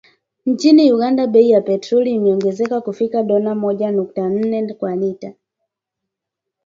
Nchini Uganda, bei ya petroli imeongezeka kufikia dola moja nukta nne kwa lita